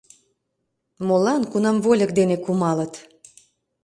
Молан, кунам вольык дене кумалыт?